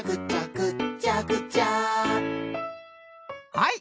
はい！